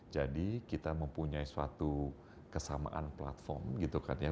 jadi kita mempunyai suatu kesamaan platform gitu kan ya